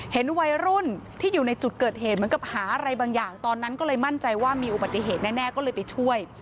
เห็นวัยรุ่นที่อยู่ในจุดเกิดเหตุเหมือนกับหาอะไรบางอย่างตอนนั้นก็เลยมั่นใจว่ามีอุบัติเหตุแน่ก็เลยไปช่วย